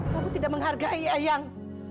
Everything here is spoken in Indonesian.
kamu tidak menghargai eyang